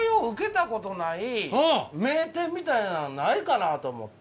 みたいなんないかなと思って。